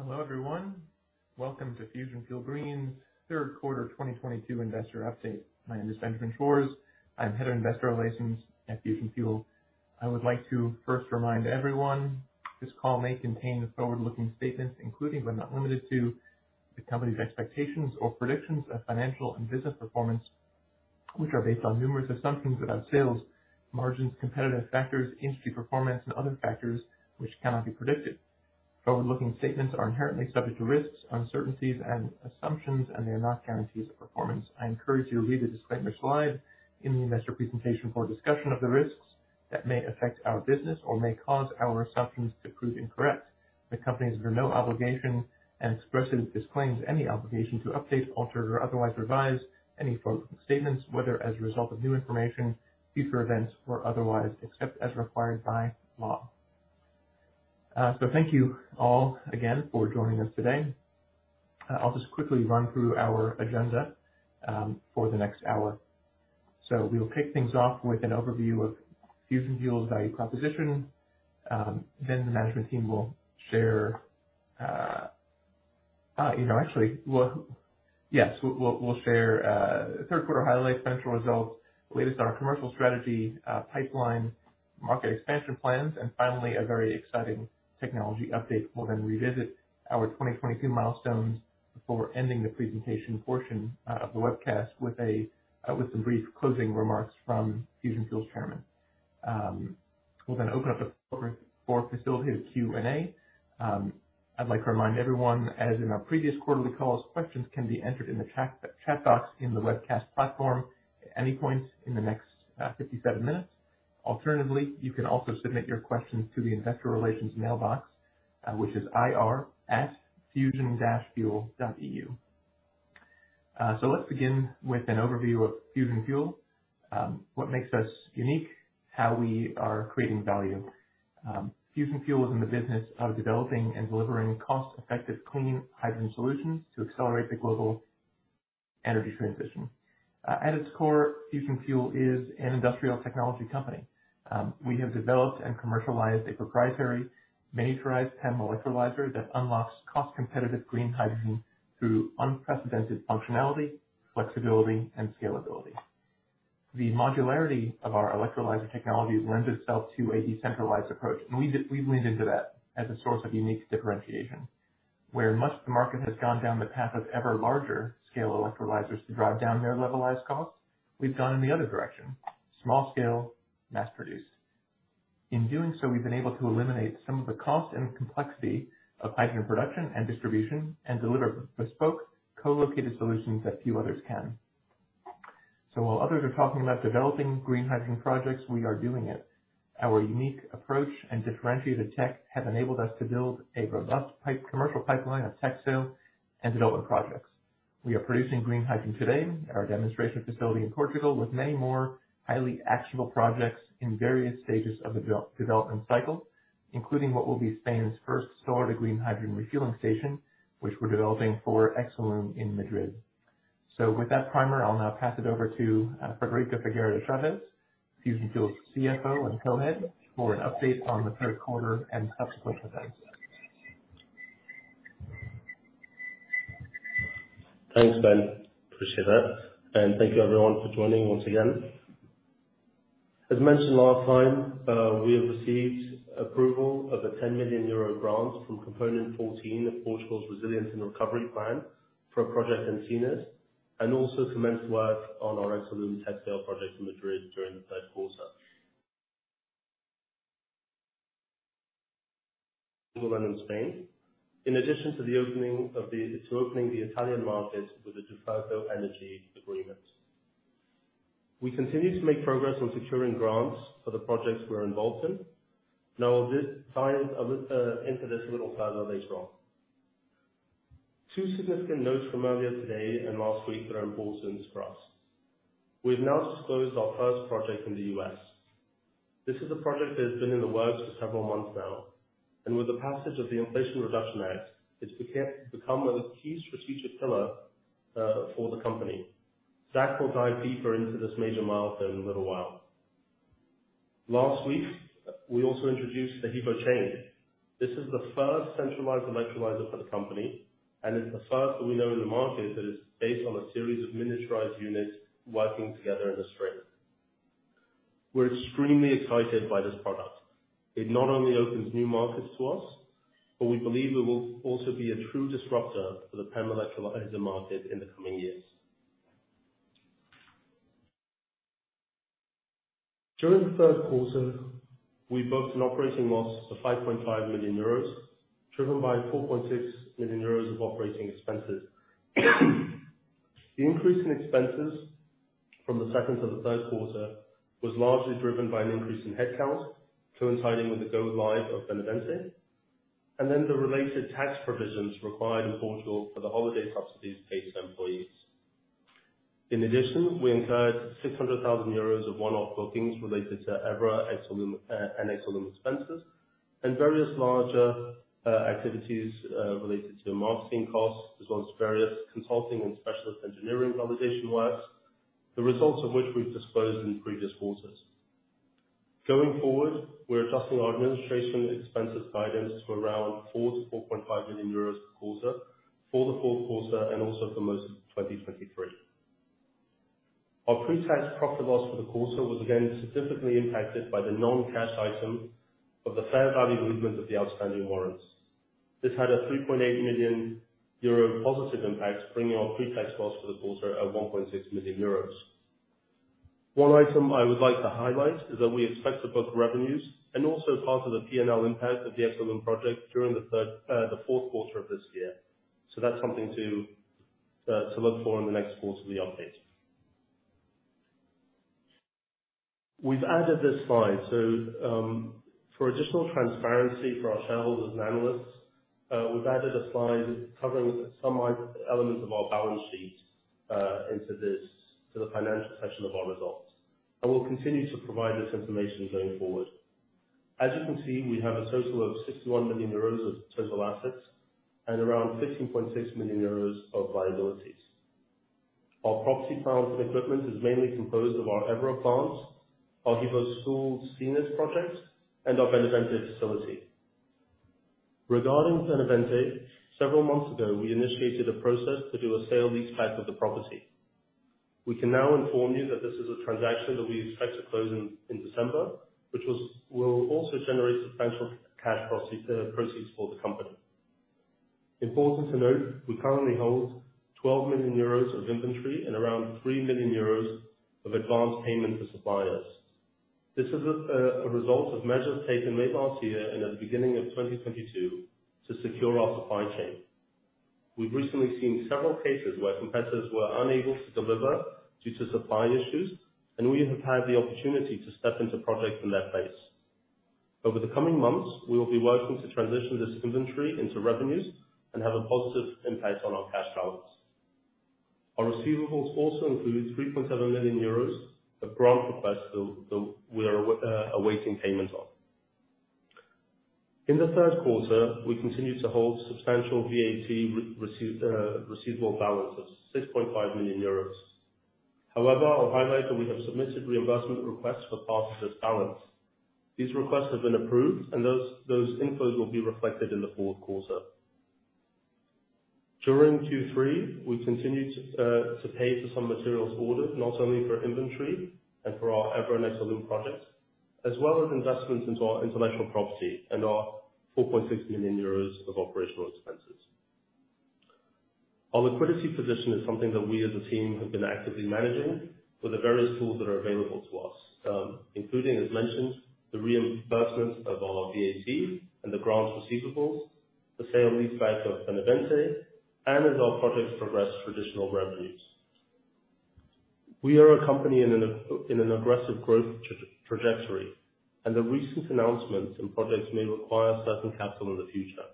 Hello, everyone. Welcome to Fusion Fuel Green third quarter 2022 investor update. My name is Benjamin Schwarz. I am Head of Investor Relations at Fusion Fuel. I would like to first remind everyone this call may contain forward-looking statements, including but not limited to, the company's expectations or predictions of financial and business performance, which are based on numerous assumptions about sales, margins, competitive factors, industry performance, and other factors which cannot be predicted. Forward-looking statements are inherently subject to risks, uncertainties and assumptions. They are not guarantees of performance. I encourage you to read the disclaimer slide in the investor presentation for a discussion of the risks that may affect our business or may cause our assumptions to prove incorrect. The company is under no obligation and expressly disclaims any obligation to update, alter or otherwise revise any forward-looking statements, whether as a result of new information, future events or otherwise, except as required by law. Thank you all again for joining us today. I'll just quickly run through our agenda for the next hour. We will kick things off with an overview of Fusion Fuel's value proposition. Then the management team will share, you know, actually, we'll share third quarter highlights, financial results, the latest on our commercial strategy, pipeline, market expansion plans, and finally, a very exciting technology update. We'll then revisit our 2022 milestones before ending the presentation portion of the webcast with some brief closing remarks from Fusion Fuel's chairman. We'll then open up the floor for a facilitated Q&A. I'd like to remind everyone, as in our previous quarterly calls, questions can be entered in the chat box in the webcast platform at any point in the next 57 minutes. Alternatively, you can also submit your questions to the investor relations mailbox, which is ir@fusion-fuel.eu. Let's begin with an overview of Fusion Fuel. What makes us unique, how we are creating value. Fusion Fuel is in the business of developing and delivering cost-effective clean hydrogen solutions to accelerate the global energy transition. At its core, Fusion Fuel is an industrial technology company. We have developed and commercialized a proprietary miniaturized PEM electrolyzer that unlocks cost-competitive green hydrogen through unprecedented functionality, flexibility, and scalability. The modularity of our electrolyzer technologies lends itself to a decentralized approach, and we've leaned into that as a source of unique differentiation. Where much of the market has gone down the path of ever larger scale electrolyzers to drive down their levelized costs, we've gone in the other direction. Small scale, mass produced. In doing so, we've been able to eliminate some of the cost and complexity of hydrogen production and distribution and deliver bespoke co-located solutions that few others can. While others are talking about developing green hydrogen projects, we are doing it. Our unique approach and differentiated tech have enabled us to build a robust commercial pipeline of tech sale and development projects. We are producing green hydrogen today at our demonstration facility in Portugal, with many more highly actionable projects in various stages of the development cycle, including what will be Spain's first solar to green hydrogen refueling station, which we're developing for Exolum in Madrid. With that primer, I'll now pass it over to Frederico Figueira de Chaves, Fusion Fuel's CFO and co-head, for an update on the third quarter and subsequent events. Thanks, Ben. Appreciate that. Thank you everyone for joining once again. As mentioned last time, we have received approval of the 10 million euro grant from Component 14 of Portugal's Recovery and Resilience Plan for Project Antunes, and also commenced work on our Exolum tech sale project in Madrid during the third quarter. In Spain, in addition to opening the Italian market with the Duferco Energia agreement. We continue to make progress on securing grants for the projects we're involved in. This time, I will enter this a little further later on. Two significant notes from earlier today and last week that are important to stress. We've now disclosed our first project in the U.S. This is a project that has been in the works for several months now, and with the passage of the Inflation Reduction Act, it's become a key strategic pillar for the company. Zach will dive deeper into this major milestone in a little while. Last week, we also introduced the HEVO-Chain. This is the first centralized electrolyzer for the company, and it's the first that we know in the market that is based on a series of miniaturized units working together in a string. We're extremely excited by this product. It not only opens new markets to us, but we believe it will also be a true disruptor for the PEM electrolyzer market in the coming years. During the third quarter, we booked an operating loss of 5.5 million euros, driven by 4.6 million euros of operating expenses. The increase in expenses from the second to the third quarter was largely driven by an increase in headcount coinciding with the go live of Benavente and then the related tax provisions required in Portugal for the holiday subsidies paid to employees. In addition, we incurred 600,000 euros of one-off bookings related to Évora, Exolum, and Exolum expenses and various larger activities related to marketing costs, as well as various consulting and specialist engineering validation works. The results of which we've disclosed in previous quarters. Going forward, we're adjusting our administration expenses guidance to around 4 million-4.5 million euros per quarter for the fourth quarter and also for most of 2023. Our pre-tax profit loss for the quarter was again significantly impacted by the non-cash item of the fair value movement of the outstanding warrants. This had a 3.8 million euro positive impact, bringing our pre-tax loss for the quarter at 1.6 million euros. One item I would like to highlight is that we expect to book revenues and also part of the PNL impact of the Exolum project during the fourth quarter of this year. That's something to look for in the next quarterly update. We've added this slide. For additional transparency for our shareholders and analysts, we've added a slide covering some elements of our balance sheet to the financial section of our results. We'll continue to provide this information going forward. As you can see, we have a total of 61 million euros of total assets and around 15.6 million euros of liabilities. Our property, plant, and equipment is mainly composed of our Évora plants, our Gijón school Sines projects, and our Benavente facility. Regarding Benavente, several months ago, we initiated a process to do a sale leaseback of the property. We can now inform you that this is a transaction that we expect to close in December, which will also generate substantial cash proceeds for the company. Important to note, we currently hold 12 million euros of inventory and around 3 million euros of advanced payment to suppliers. This is a result of measures taken late last year and at the beginning of 2022 to secure our supply chain. We've recently seen several cases where competitors were unable to deliver due to supply issues, and we have had the opportunity to step into projects in their place. Over the coming months, we will be working to transition this inventory into revenues and have a positive impact on our cash flows. Our receivables also include 3.7 million euros of grant requests that we are awaiting payment on. In the third quarter, we continued to hold substantial VAT receivable balance of 6.5 million euros. I'll highlight that we have submitted reimbursement requests for parts of this balance. These requests have been approved and those inflows will be reflected in the fourth quarter. During Q3, we continued to pay for some materials ordered not only for inventory and for our Évora and Exolum projects, as well as investments into our intellectual property and our 4.6 million euros of operational expenses. Our liquidity position is something that we as a team have been actively managing with the various tools that are available to us, including, as mentioned, the reimbursements of all our VAT and the grants receivables, the sale-leasebacks of Benavente, and as our projects progress, traditional revenues. We are a company in an aggressive growth trajectory, and the recent announcements and projects may require certain capital in the future.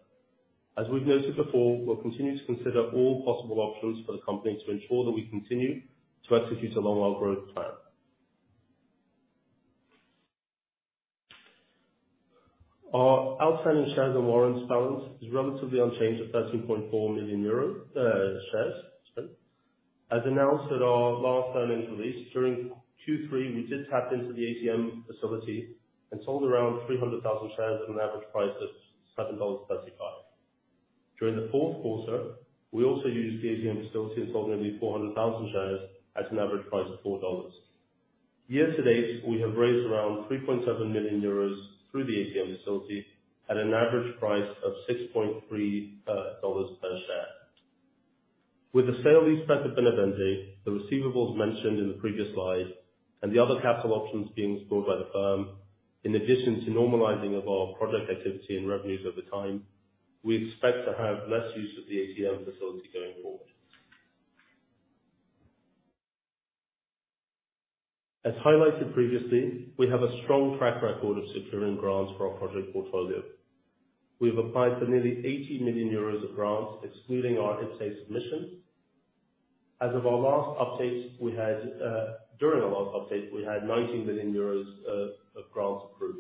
As we've noted before, we'll continue to consider all possible options for the company to ensure that we continue to execute along our growth plan. Our outstanding shares and warrants balance is relatively unchanged at 13.4 million euros shares. As announced at our last earnings release, during Q3, we did tap into the ATM facility and sold around 300,000 shares at an average price of $7.35. During the fourth quarter, we also used the ATM facility and sold nearly 400,000 shares at an average price of $4. Year to date, we have raised around 3.7 million euros through the ATM facility at an average price of $6.3 per share. With the sale of these parts of Benavente, the receivables mentioned in the previous slide and the other capital options being explored by the firm, in addition to normalizing of our project activity and revenues over time, we expect to have less use of the ATM facility going forward. As highlighted previously, we have a strong track record of securing grants for our project portfolio. We have applied for nearly 80 million euros of grants excluding our IPCEI submission. As of our last update, we had, during our last update, we had 19 million euros of grants approved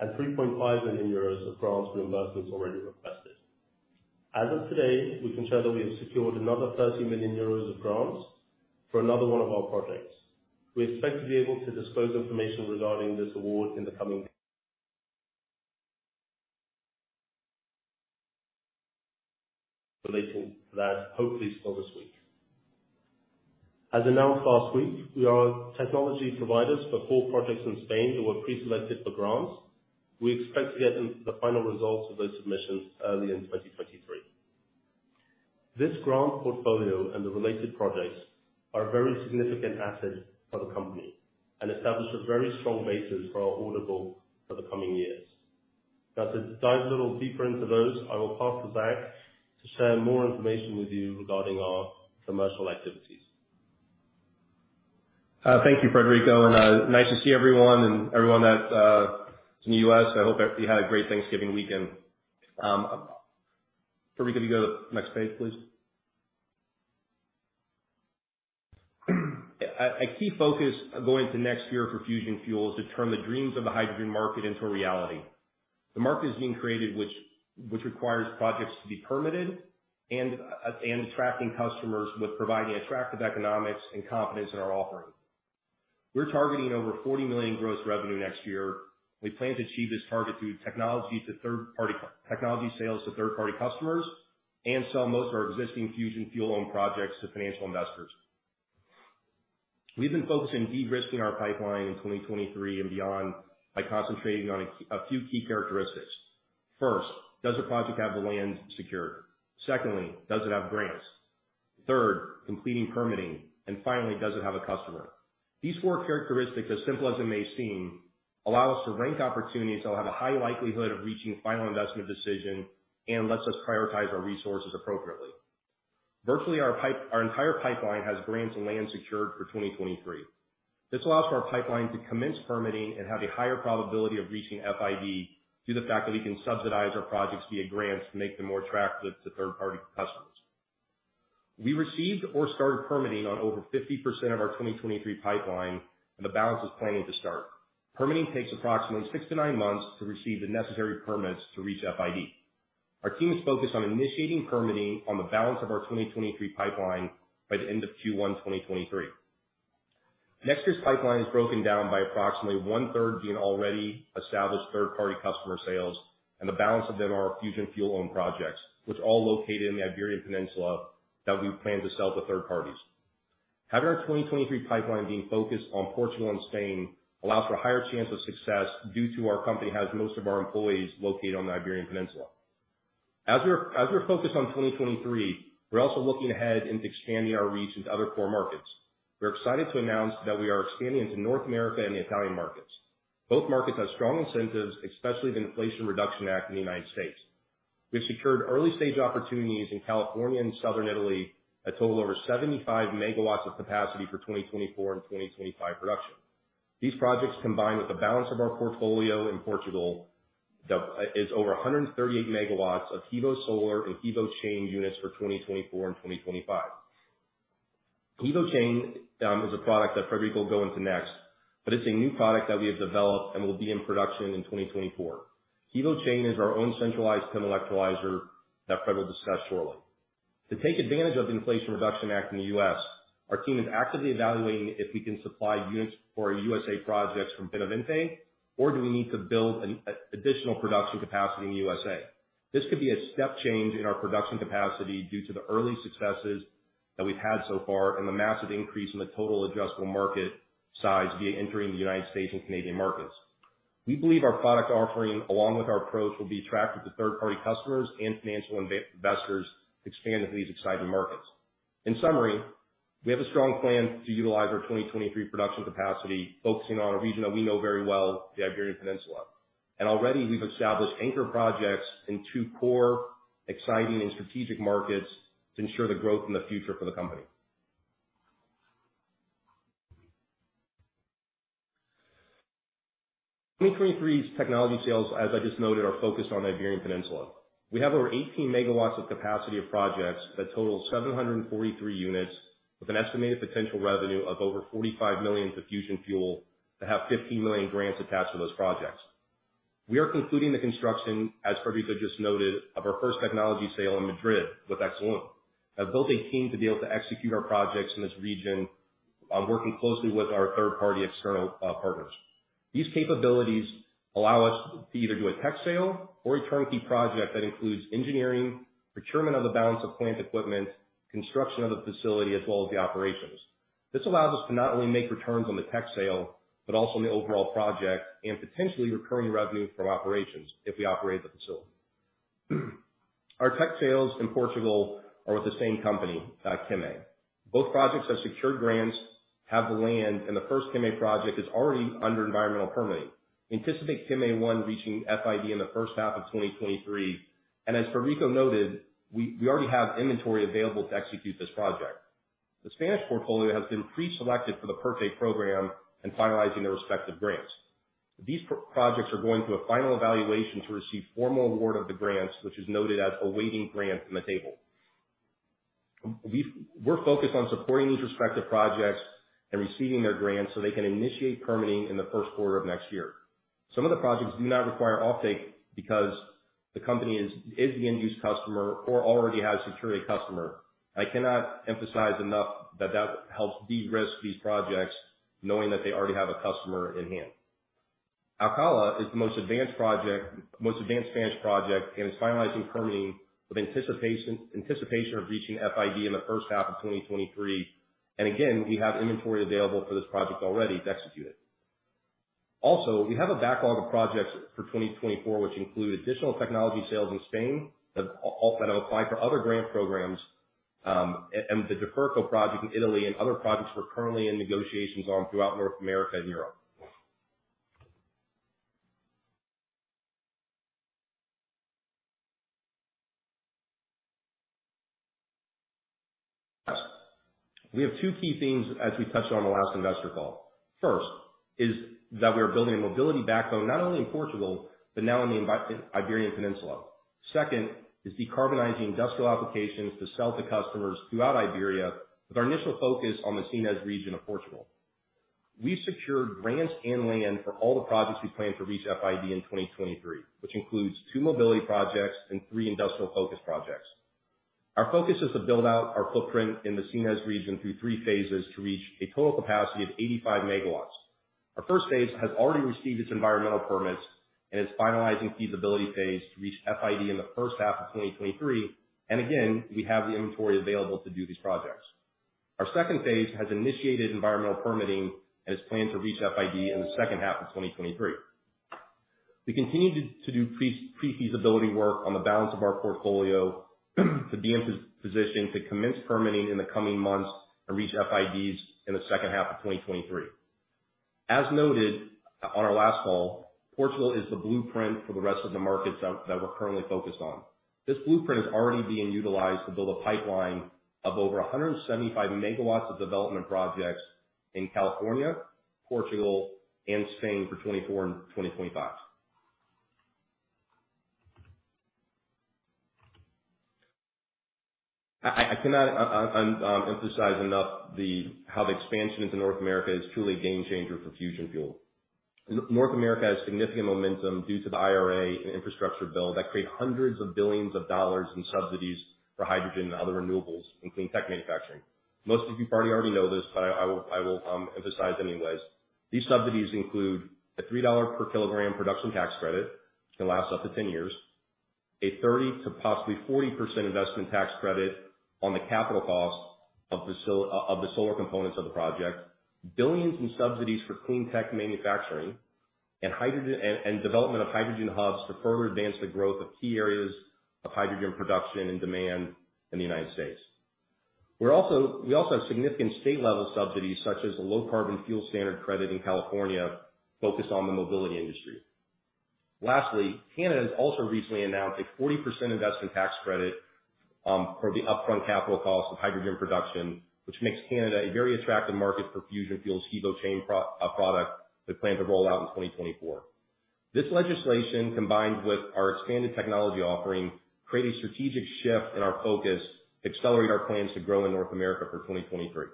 and 3.5 million euros of grants reimbursements already requested. As of today, we can share that we have secured another 30 million euros of grants for another one of our projects. We expect to be able to disclose information regarding this award in the coming relating to that, hopefully still this week. As announced last week, we are technology providers for four projects in Spain that were preselected for grants. We expect to get the final results of those submissions early in 2023. This grant portfolio and the related projects are a very significant asset for the company and establish a very strong basis for our order book for the coming years. Now to dive a little deeper into those, I will pass to Zach to share more information with you regarding our commercial activities. Thank you, Federico, and nice to see everyone, and everyone that is in the U.S., I hope you had a great Thanksgiving weekend. Federico, go to the next page, please. A key focus going into next year for Fusion Fuel is to turn the dreams of the hydrogen market into a reality. The market is being created which requires projects to be permitted and attracting customers with providing attractive economics and confidence in our offering. We're targeting over $40 million gross revenue next year. We plan to achieve this target through technology sales to third party customers and sell most of our existing Fusion Fuel-owned projects to financial investors. We've been focusing on de-risking our pipeline in 2023 and beyond by concentrating on a few key characteristics. First, does the project have the land secured? Secondly, does it have grants? Third, completing permitting. Finally, does it have a customer? These four characteristics, as simple as it may seem, allow us to rank opportunities that will have a high likelihood of reaching final investment decision and lets us prioritize our resources appropriately. Virtually our entire pipeline has grants and land secured for 2023. This allows for our pipeline to commence permitting and have a higher probability of reaching FID due to the fact that we can subsidize our projects via grants to make them more attractive to third-party customers. We received or started permitting on over 50% of our 2023 pipeline, and the balance is planning to start. Permitting takes approximately 6 to 9 months to receive the necessary permits to reach FID. Our team is focused on initiating permitting on the balance of our 2023 pipeline by the end of Q1, 2023. Next year's pipeline is broken down by approximately one-third being already established third party customer sales. The balance of them are Fusion Fuel-owned projects, which are all located in the Iberian Peninsula that we plan to sell to third parties. Having our 2023 pipeline being focused on Portugal and Spain allows for a higher chance of success due to our company has most of our employees located on the Iberian Peninsula. As we're focused on 2023, we're also looking ahead into expanding our reach into other core markets. We're excited to announce that we are expanding into North America and the Italian markets. Both markets have strong incentives, especially the Inflation Reduction Act in the United States. We've secured early stage opportunities in California and Southern Italy, a total over 75 megawatts of capacity for 2024 and 2025 production. These projects, combined with the balance of our portfolio in Portugal, the is over 138 megawatts of HEVO-SOLAR and HEVO-Chain units for 2024 and 2025. HEVO-Chain is a product that Frederico will go into next, but it's a new product that we have developed and will be in production in 2024. HEVO-Chain is our own centralized PEM electrolyzer that Fred will discuss shortly. To take advantage of the Inflation Reduction Act in the US, our team is actively evaluating if we can supply units for our USA projects from Benavente, or do we need to build an additional production capacity in the USA. This could be a step change in our production capacity due to the early successes that we've had so far and the massive increase in the total adjustable market size via entering the United States and Canadian markets. We believe our product offering, along with our approach, will be attractive to third-party customers and financial investors to expand into these exciting markets. In summary, we have a strong plan to utilize our 2023 production capacity, focusing on a region that we know very well, the Iberian Peninsula. Already we've established anchor projects in two core exciting and strategic markets to ensure the growth in the future for the company. 2023's technology sales, as I just noted, are focused on Iberian Peninsula. We have over 18 MW of capacity of projects that total 743 units with an estimated potential revenue of over $45 million to Fusion Fuel that have $15 million grants attached to those projects. We are concluding the construction, as Frederico just noted, of our first technology sale in Madrid with Exolum. I've built a team to be able to execute our projects in this region, working closely with our third-party external partners. These capabilities allow us to either do a tech sale or a turnkey project that includes engineering, procurement of the balance of plant equipment, construction of the facility, as well as the operations. This allows us to not only make returns on the tech sale, but also on the overall project and potentially recurring revenue from operations if we operate the facility. Our tech sales in Portugal are with the same company, QIMA. Both projects have secured grants, have the land, and the first QIMA project is already under environmental permitting. Anticipate QIMA 1 reaching FID in the first half of 2023. As Frederico noted, we already have inventory available to execute this project. The Spanish portfolio has been pre-selected for the PERTE program and finalizing their respective grants. These projects are going through a final evaluation to receive formal award of the grants, which is noted as awaiting grants in the table. We're focused on supporting these respective projects and receiving their grants so they can initiate permitting in the first quarter of next year. Some of the projects do not require offtake because the company is the end-use customer or already has secured a customer. I cannot emphasize enough that that helps de-risk these projects knowing that they already have a customer in hand. Alcalá is the most advanced project, most advanced Spanish project, and is finalizing permitting with anticipation of reaching FID in the first half of 2023. Again, we have inventory available for this project already to execute it. Also, we have a backlog of projects for 2024, which include additional technology sales in Spain that also apply for other grant programs, and the Duferco project in Italy and other projects we're currently in negotiations on throughout North America and Europe. We have two key themes as we touched on the last investor call. First is that we are building a mobility backbone not only in Portugal, but now in the Iberian Peninsula. Second is decarbonizing industrial applications to sell to customers throughout Iberia, with our initial focus on the Sines region of Portugal. We've secured grants and land for all the projects we plan to reach FID in 2023, which includes 2 mobility projects and 3 industrial-focused projects. Our focus is to build out our footprint in the Sines region through 3 phases to reach a total capacity of 85 MW. Our first phase has already received its environmental permits and is finalizing feasibility phase to reach FID in the first half of 2023. Again, we have the inventory available to do these projects. Our second phase has initiated environmental permitting, and is planned to reach FID in the second half of 2023. We continue to do pre-feasibility work on the balance of our portfolio to be in a position to commence permitting in the coming months and reach FIDs in the second half of 2023. As noted on our last call, Portugal is the blueprint for the rest of the markets that we're currently focused on. This blueprint is already being utilized to build a pipeline of over 175 megawatts of development projects in California, Portugal, and Spain for 2024 and 2025. I cannot emphasize enough how the expansion into North America is truly a game changer for Fusion Fuel. North America has significant momentum due to the IRA and infrastructure bill that create hundreds of billions of dollars in subsidies for hydrogen and other renewables in clean tech manufacturing. Most of you probably already know this. I will emphasize it anyways. These subsidies include a $3 per kilogram production tax credit that can last up to 10 years, a 30% to possibly 40% investment tax credit on the capital cost of the solar components of the project, $ billions in subsidies for clean tech manufacturing and hydrogen, and development of hydrogen hubs to further advance the growth of key areas of hydrogen production and demand in the United States. We also have significant state level subsidies, such as a Low Carbon Fuel Standard credit in California, focused on the mobility industry. Lastly, Canada has also recently announced a 40% investment tax credit for the upfront capital cost of hydrogen production, which makes Canada a very attractive market for Fusion Fuel's HEVO-Chain product we plan to roll out in 2024. This legislation, combined with our expanded technology offering, create a strategic shift in our focus to accelerate our plans to grow in North America for 2023.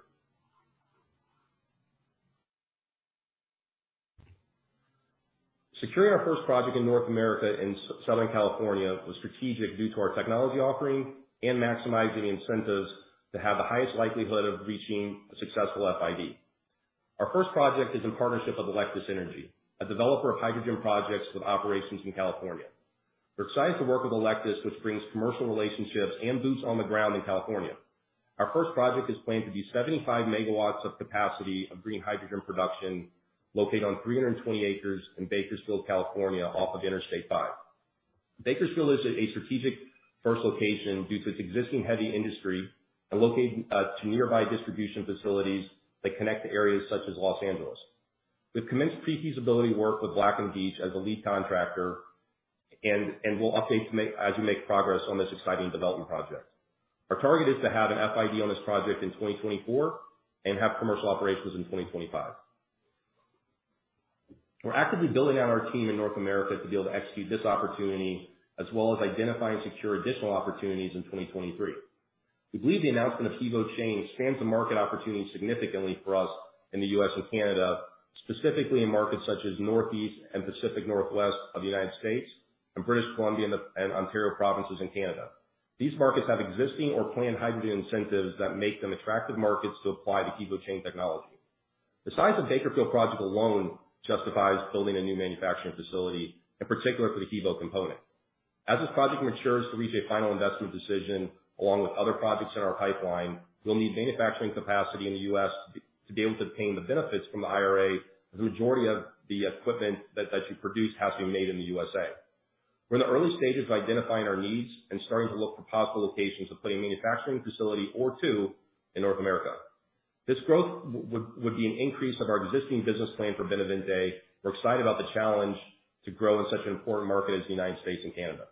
Securing our first project in North America in Southern California was strategic due to our technology offering and maximizing the incentives to have the highest likelihood of reaching a successful FID. Our first project is in partnership with Electus Energy, a developer of hydrogen projects with operations in California. We're excited to work with Electus, which brings commercial relationships and boots on the ground in California. Our first project is planned to be 75 megawatts of capacity of green hydrogen production, located on 320 acres in Bakersfield, California, off of Interstate 5. Bakersfield is a strategic first location due to its existing heavy industry and located to nearby distribution facilities that connect to areas such as Los Angeles. We've commenced pre-feasibility work with Black & Veatch as the lead contractor, and we'll update as we make progress on this exciting development project. Our target is to have an FID on this project in 2024 and have commercial operations in 2025. We're actively building out our team in North America to be able to execute this opportunity, as well as identify and secure additional opportunities in 2023. We believe the announcement of HEVO Chain expands the market opportunity significantly for us in the US and Canada, specifically in markets such as Northeast and Pacific Northwest of the United States and British Columbia and Ontario provinces in Canada. These markets have existing or planned hydrogen incentives that make them attractive markets to apply the HEVO Chain technology. The size of Bakersfield project alone justifies building a new manufacturing facility, in particular for the HEVO component. As this project matures to reach a final investment decision, along with other projects in our pipeline, we'll need manufacturing capacity in the US to be able to obtain the benefits from the IRA. The majority of the equipment that you produce has to be made in the USA. We're in the early stages of identifying our needs and starting to look for possible locations to put a manufacturing facility or two in North America. This growth would be an increase of our existing business plan for Benavente. We're excited about the challenge to grow in such an important market as the United States and Canada.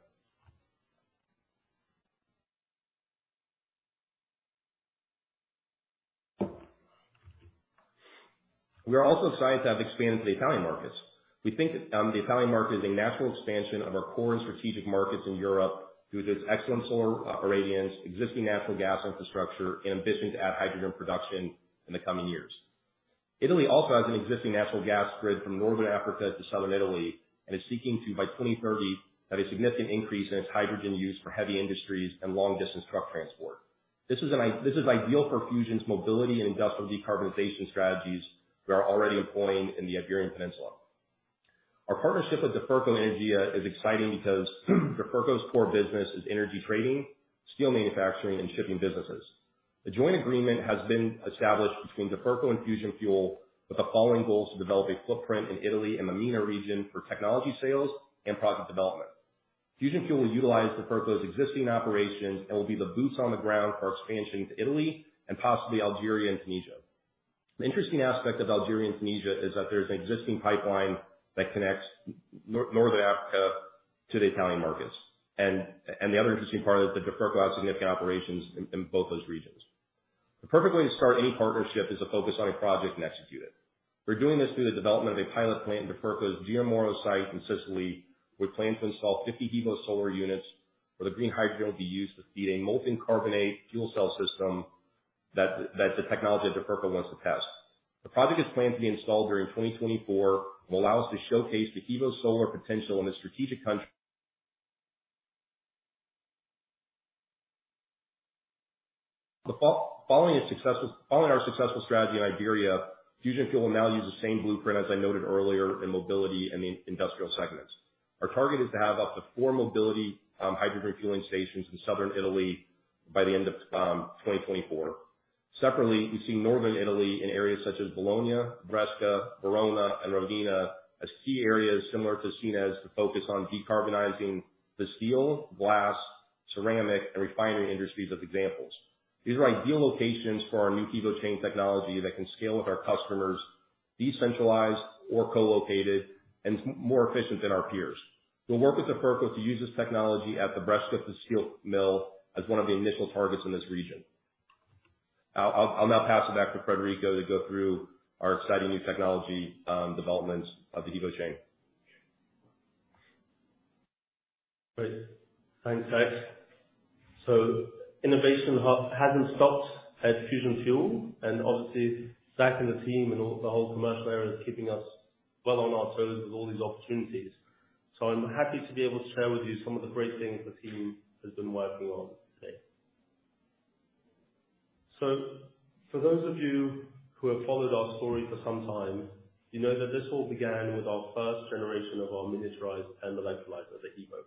We are also excited to have expanded to the Italian markets. We think the Italian market is a natural expansion of our core and strategic markets in Europe due to its excellent solar irradiance, existing natural gas infrastructure, and ambitions to add hydrogen production in the coming years. Italy also has an existing natural gas grid from northern Africa to southern Italy, and is seeking to, by 2030, have a significant increase in its hydrogen use for heavy industries and long distance truck transport. This is ideal for Fusion Fuel's mobility and industrial decarbonization strategies we are already employing in the Iberian Peninsula. Our partnership with Duferco Energia is exciting because Duferco's core business is energy trading, steel manufacturing, and shipping businesses. The joint agreement has been established between Duferco and Fusion Fuel with the following goals, to develop a footprint in Italy and the MENA region for technology sales and project development. Fusion Fuel will utilize Duferco's existing operations and will be the boots on the ground for expansion into Italy and possibly Algeria and Tunisia. The interesting aspect of Algeria and Tunisia is that there's an existing pipeline that connects northern Africa to the Italian markets. The other interesting part is that Duferco has significant operations in both those regions. The perfect way to start any partnership is to focus on a project and execute it. We're doing this through the development of a pilot plant at Duferco's Giammoro site in Sicily. We plan to install 50 HEVO-Solar units. Where the green hydrogen will be used to feed a molten carbonate fuel cell system that the technology of Duferco wants to test. The project is planned to be installed during 2024 and will allow us to showcase the HEVO-Solar potential in a strategic country. Following our successful strategy in Iberia, Fusion Fuel will now use the same blueprint as I noted earlier in mobility and the industrial segments. Our target is to have up to four mobility hydrogen refueling stations in southern Italy by the end of 2024. Separately, we see northern Italy in areas such as Bologna, Brescia, Verona, and Ravenna as key areas similar to Sines to focus on decarbonizing the steel, glass, ceramic, and refinery industries as examples. These are ideal locations for our new HEVO-Chain technology that can scale with our customers, decentralized or co-located, and more efficient than our peers. We'll work with Duferco to use this technology at the Brescia Steel Mill as one of the initial targets in this region. I'll now pass it back to Federico to go through our exciting new technology developments of the HEVO-Chain. Great. Thanks, Zach. Innovation hasn't stopped at Fusion Fuel and obviously Zach and the team and all the whole commercial area is keeping us well on our toes with all these opportunities. I'm happy to be able to share with you some of the great things the team has been working on today. For those of you who have followed our story for some time, you know that this all began with our first generation of our miniaturized PEM electrolysis, the HEVO.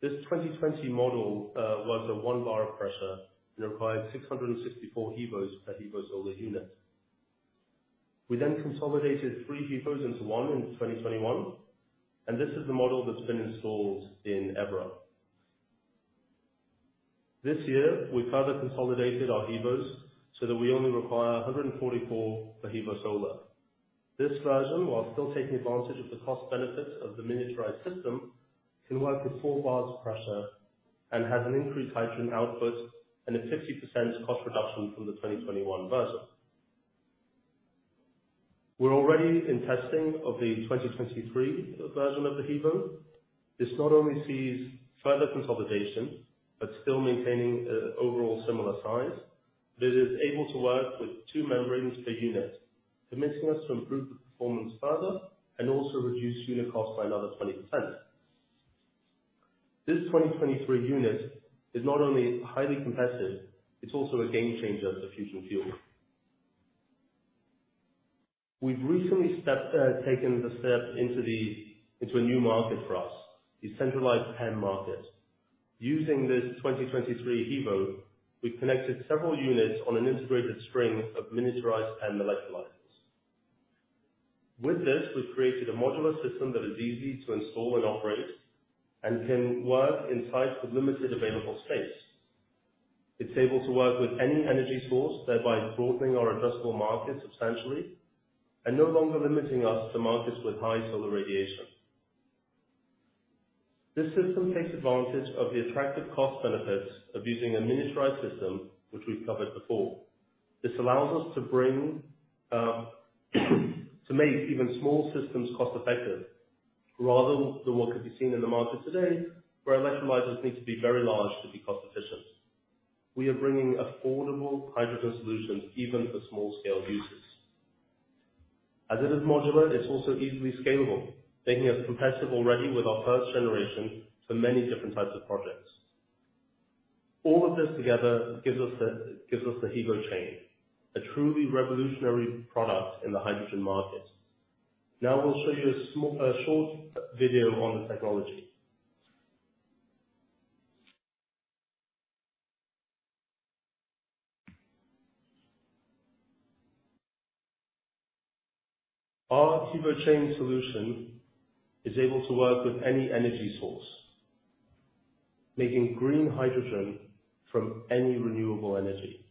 This 2020 model was a 1 bar of pressure and required 664 HEVOs per HEVO-Solar unit. We then consolidated 3 HEVOs into 1 in 2021, and this is the model that's been installed in Évora. This year, we further consolidated our HEVOs so that we only require 144 per HEVO-Solar. This version, while still taking advantage of the cost benefits of the miniaturized system, can work with 4 bars of pressure and has an increased hydrogen output and a 50% cost reduction from the 2021 version. We're already in testing of the 2023 version of the HEVO. This not only sees further consolidation, but still maintaining overall similar size. This is able to work with 2 membranes per unit, permitting us to improve the performance further and also reduce unit cost by another 20%. This 2023 unit is not only highly competitive, it's also a game changer for Fusion Fuel. We've recently taken the step into a new market for us, the centralized PEM market. Using this 2023 HEVO, we connected several units on an integrated string of miniaturized PEM electrolyzers. With this, we've created a modular system that is easy to install and operate and can work in sites with limited available space. It's able to work with any energy source, thereby broadening our addressable market substantially and no longer limiting us to markets with high solar radiation. This system takes advantage of the attractive cost benefits of using a miniaturized system, which we've covered before. This allows us to bring to make even small systems cost-effective rather than what can be seen in the market today, where electrolyzers need to be very large to be cost-efficient. We are bringing affordable hydrogen solutions even for small scale users. As it is modular, it's also easily scalable, making it competitive already with our first generation for many different types of projects. All of this together gives us the HEVO-Chain, a truly revolutionary product in the hydrogen market. Now we'll show you a short video on the technology. Our HEVO-Chain solution is able to work with any energy source, making green hydrogen from any renewable energy.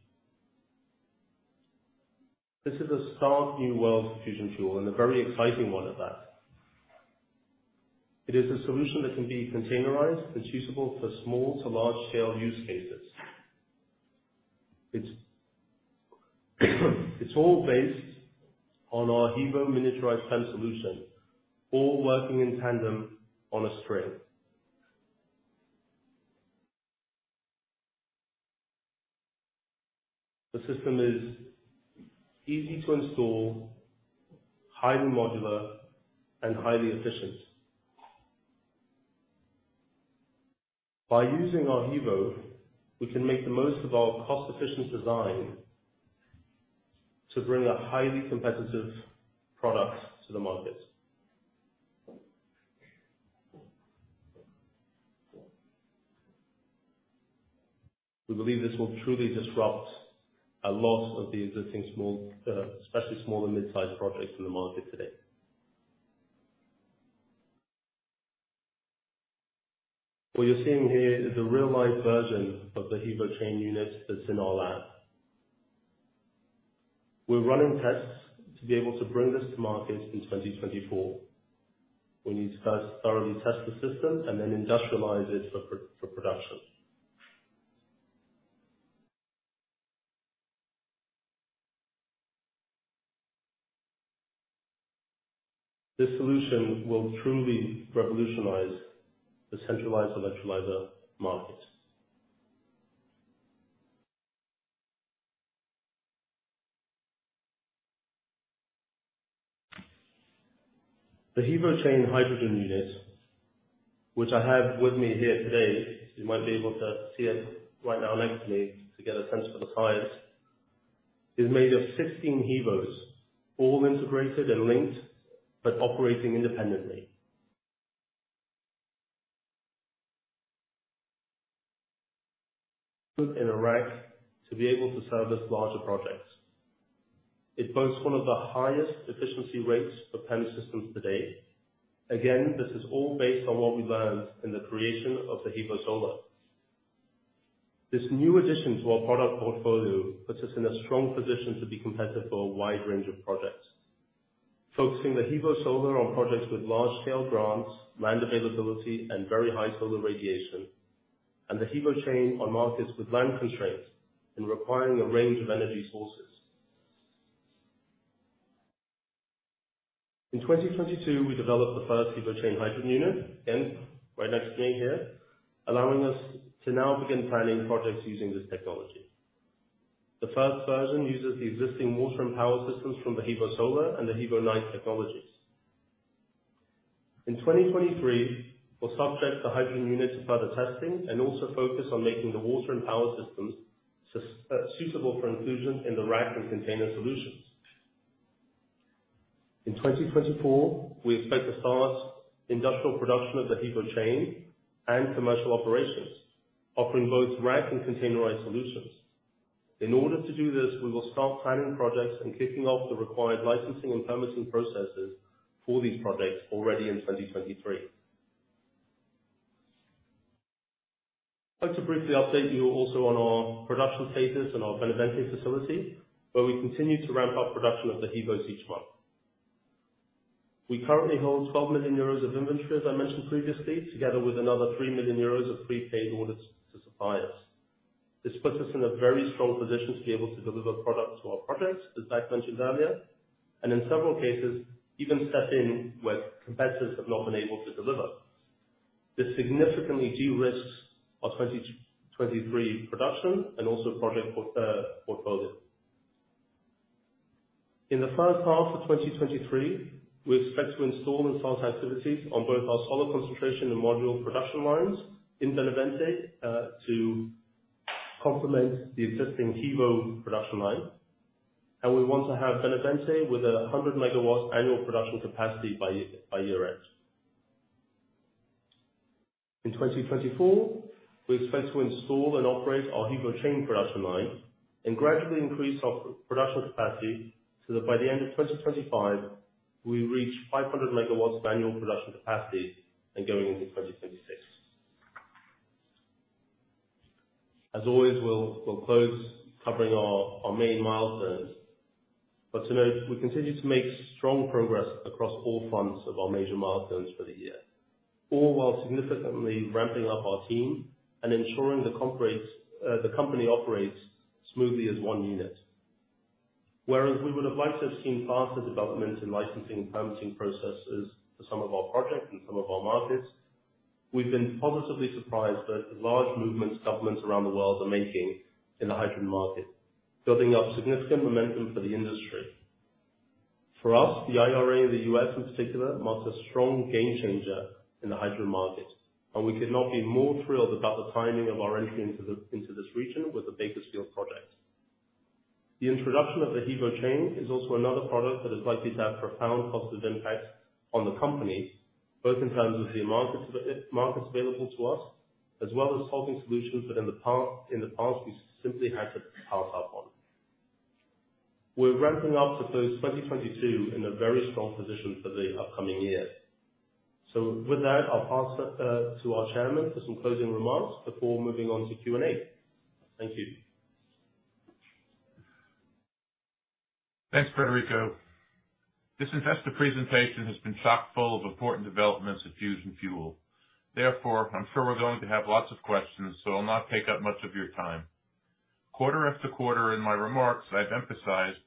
This is a stark new world for Fusion Fuel and a very exciting one at that. It is a solution that can be containerized. It's usable for small to large scale use cases. It's all based on our HEVO miniaturized PEM solution, all working in tandem on a string. The system is easy to install, highly modular, and highly efficient. By using our HEVO, we can make the most of our cost-efficient design to bring a highly competitive product to the market. We believe this will truly disrupt a lot of the existing small, especially small and mid-size projects in the market today. What you're seeing here is a real-life version of the HEVO-Chain unit that's in our lab. We're running tests to be able to bring this to market in 2024. We need to first thoroughly test the system and then industrialize it for production. This solution will truly revolutionize the centralized electrolyzer market. The HEVO-Chain hydrogen unit, which I have with me here today, you might be able to see it right now next to me to get a sense for the size, is made of 16 HEVOs, all integrated and linked, but operating independently. In a rack to be able to service larger projects. It boasts one of the highest efficiency rates for PEM systems to date. Again, this is all based on what we learned in the creation of the HEVO-Solar. This new addition to our product portfolio puts us in a strong position to be competitive for a wide range of projects. Focusing the HEVO-Solar on projects with large-scale grants, land availability, and very high solar radiation, and the HEVO-Chain on markets with land constraints and requiring a range of energy sources. In 2022, we developed the first HEVO-Chain hydrogen unit, again, right next to me here, allowing us to now begin planning projects using this technology. The first version uses the existing water and power systems from the HEVO-Solar and the HEVO-Night technologies. In 2023, we'll subject the hydrogen unit to further testing and also focus on making the water and power systems suitable for inclusion in the rack and container solutions. In 2024, we expect to start industrial production of the HEVO-Chain and commercial operations, offering both rack and containerized solutions. In order to do this, we will start planning projects and kicking off the required licensing and permitting processes for these projects already in 2023. I'd like to briefly update you also on our production status in our Benavente facility, where we continue to ramp up production of the HEVOs each month. We currently hold 12 million euros of inventory, as I mentioned previously, together with another 3 million euros of prepaid orders to suppliers. This puts us in a very strong position to be able to deliver products to our projects, as Doug mentioned earlier, and in several cases, even step in where competitors have not been able to deliver. This significantly de-risks our 2023 production and also project portfolio. In the first half of 2023, we expect to install and start activities on both our solar concentration and module production lines in Benavente to complement the existing HEVO production line. We want to have Benavente with a 100 megawatt annual production capacity by year-end. In 2024, we expect to install and operate our HEVO-Chain production line and gradually increase our production capacity, so that by the end of 2025, we reach 500 megawatts of annual production capacity, and going into 2026. As always, we'll close covering our main milestones. To note, we continue to make strong progress across all fronts of our major milestones for the year, all while significantly ramping up our team and ensuring the comprates the company operates smoothly as one unit. Whereas we would have liked to have seen faster development in licensing and permitting processes for some of our projects and some of our markets, we've been positively surprised by the large movements governments around the world are making in the hydrogen market, building up significant momentum for the industry. For us, the IRA in the U.S. in particular marks a strong game changer in the hydrogen market, we could not be more thrilled about the timing of our entry into this region with the Bakersfield project. The introduction of the HEVO-Chain is also another product that is likely to have profound positive impacts on the company, both in terms of the markets available to us, as well as solving solutions that in the past, we simply had to pass up on. We're ramping up to close 2022 in a very strong position for the upcoming years. With that, I'll pass it to our chairman for some closing remarks before moving on to Q&A. Thank you. Thanks, Federico. This investor presentation has been chock-full of important developments at Fusion Fuel. Therefore, I'm sure we're going to have lots of questions, so I'll not take up much of your time. Quarter after quarter in my remarks, I've emphasized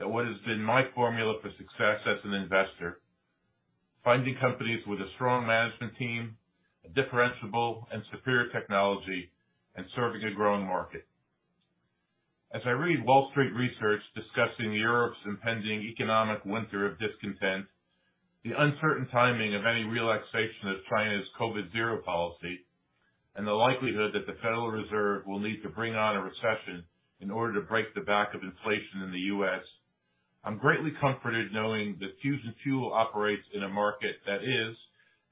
that what has been my formula for success as an investor, finding companies with a strong management team, a differentiable and superior technology, and serving a growing market. As I read Wall Street research discussing Europe's impending economic winter of discontent, the uncertain timing of any relaxation of China's COVID zero policy, and the likelihood that the Federal Reserve will need to bring on a recession in order to break the back of inflation in the U.S., I'm greatly comforted knowing that Fusion Fuel operates in a market that is,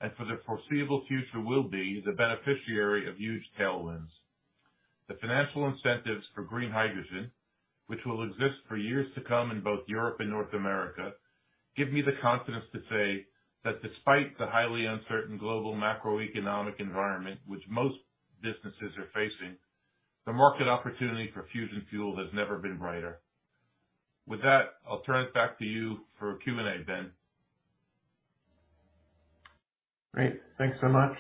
and for the foreseeable future will be, the beneficiary of huge tailwinds. The financial incentives for green hydrogen, which will exist for years to come in both Europe and North America, give me the confidence to say that despite the highly uncertain global macroeconomic environment which most businesses are facing, the market opportunity for Fusion Fuel has never been brighter. With that, I'll turn it back to you for Q&A, Ben. Great. Thanks so much.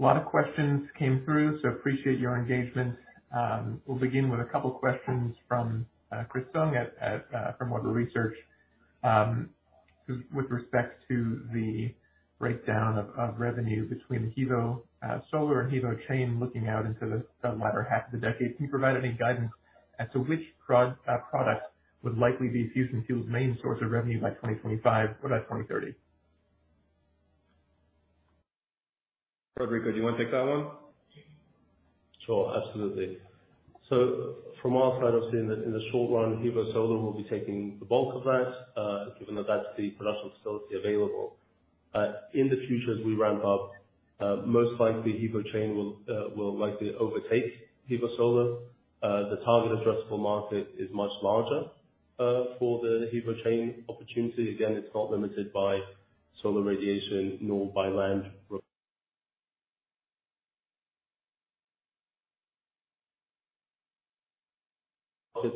A lot of questions came through, so appreciate your engagement. We'll begin with a couple questions from Chris Souther at from Wolfe Research. With respect to the breakdown of revenue between HEVO-Solar and HEVO Chain looking out into the latter half of the decade. Can you provide any guidance as to which product would likely be Fusion Fuel's main source of revenue by 2025 or by 2030? Federico, do you wanna take that one? Sure. Absolutely. From our side of things, in the short run, HEVO-Solar will be taking the bulk of that, given that that's the production facility available. In the future as we ramp up, most likely HEVO-Chain will likely overtake HEVO-Solar. The target addressable market is much larger for the HEVO-Chain opportunity. It's not limited by solar radiation nor by land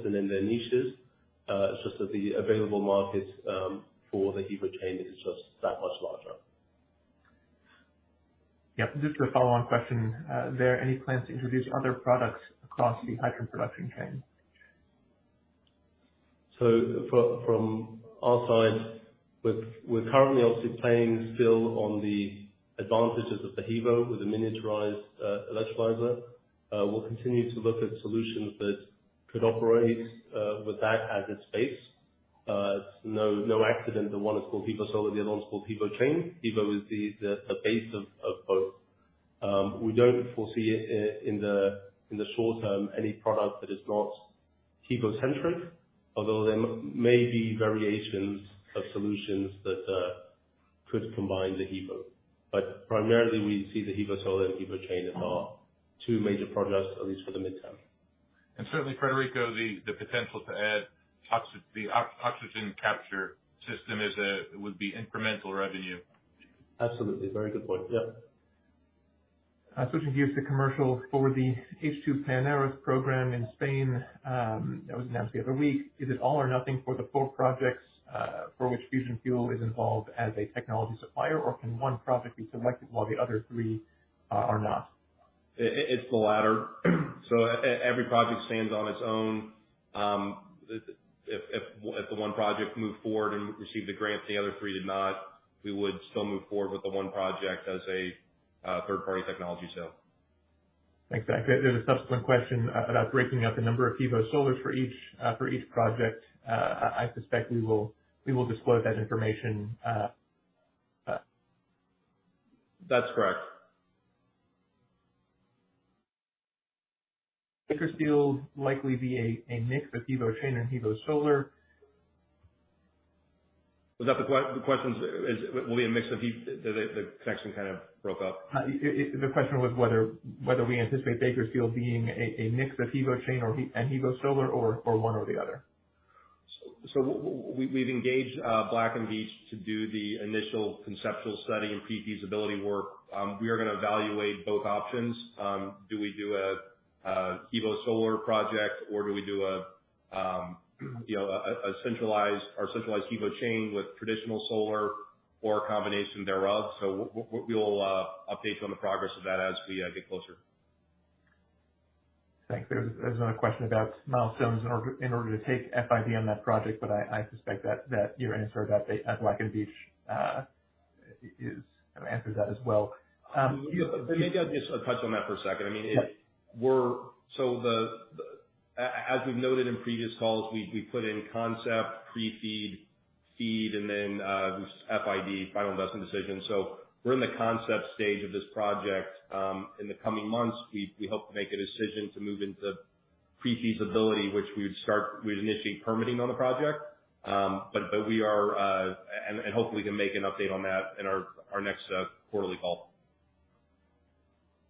than in their niches. It's just that the available market for the HEVO-Chain is just that much larger. Just as a follow-on question, are there any plans to introduce other products across the hydrogen production chain? From our side, we're currently obviously playing still on the advantages of the HEVO with the miniaturized electrolyzer. We'll continue to look at solutions that could operate with that as its base. It's no accident that one is called HEVO-Solar, the other one is called HEVO-Chain. HEVO is the base of both. We don't foresee in the short term any product that is not HEVO centric, although there may be variations of solutions that could combine the HEVO. Primarily, we see the HEVO-Solar and HEVO-Chain as our two major products, at least for the midterm. Certainly, Federico, the potential to add oxygen capture system is would be incremental revenue. Absolutely. Very good point. Yeah. Switching gears to commercial for the H2 Pioneers Program in Spain, that was announced the other week. Is it all or nothing for the four projects, for which Fusion Fuel is involved as a technology supplier? Or can one project be selected while the other three are not? It's the latter. Every project stands on its own. If the one project moved forward and received the grants, the other three did not, we would still move forward with the one project as a third-party technology sale. Thanks, Zach. There's a subsequent question about breaking out the number of HEVO-Solars for each project. I suspect we will disclose that information. That's correct. Bakersfield likely be a mix of HEVO Chain and HEVO-Solar? Was that the question? Is, will it be a mix of HEV... The section kind of broke up. It, the question was whether we anticipate Bakersfield being a mix of HEVO Chain and HEVO-Solar or one or the other? We've engaged Black & Veatch to do the initial conceptual study and pre-feasibility work. We are gonna evaluate both options. Do we do a HEVO-Solar project, or do we do a, you know, a centralized or centralized HEVO Chain with traditional solar or a combination thereof? We'll update you on the progress of that as we get closer. Thanks. There's another question about milestones in order to take FID on that project, but I suspect that your answer that at Black & Veatch is kind of answers that as well. Maybe I'll just touch on that for a second. I mean, Yeah. As we've noted in previous calls, we put in concept Pre-FEED, FEED, and then this FID final investment decision. We're in the concept stage of this project. In the coming months, we hope to make a decision to move into pre-feasibility, which we would start with initiating permitting on the project. We are, and hopefully can make an update on that in our next quarterly call.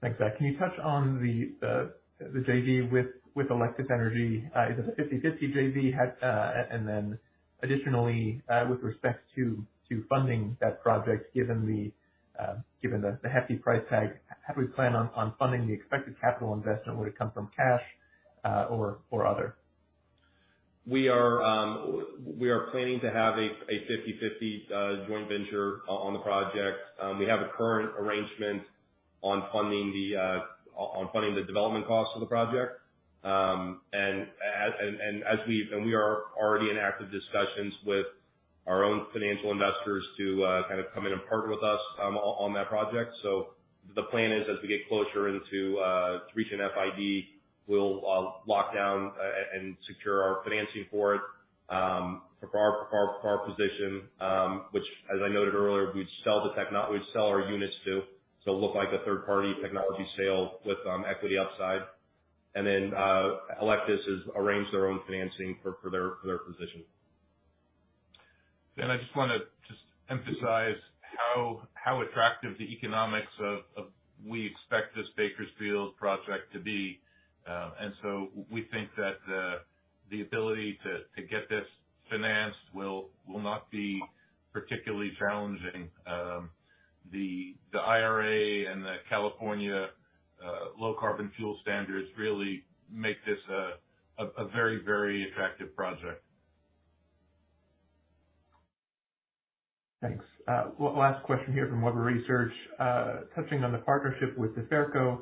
Thanks, Zach. Can you touch on the JV with Electus Energy? Is it a 50-50 JV? Additionally, with respect to funding that project, given the hefty price tag, how do we plan on funding the expected capital investment? Would it come from cash, or other? We are planning to have a 50/50 joint venture on the project. We have a current arrangement on funding the development costs for the project. We are already in active discussions with our own financial investors to kind of come in and partner with us on that project. The plan is, as we get closer into to reaching FID, we'll lock down and secure our financing for it for our position, which as I noted earlier, we'd sell our units to. Look like a third-party technology sale with equity upside. Then Electus has arranged their own financing for their position. I just wanna just emphasize how attractive the economics of we expect this Bakersfield project to be. So we think that, the ability to get this financed will not be particularly challenging. The IRA and the California Low Carbon Fuel Standards really make this a very attractive project. Thanks. One last question here from Webber Research. Touching on the partnership with Duferco,